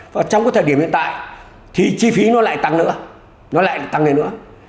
và trong cái thời điểm hiện tại thì chi phí nó lại tăng nữa nó lại tăng lên nữa